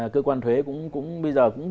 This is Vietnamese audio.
cơ quan thuế cũng